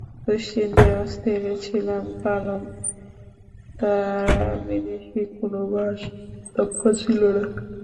দুশ্চিন্তায় অস্থির ছিলাম, কারণ তারা বিদেশি কোনো ভাষায় দক্ষ ছিল না।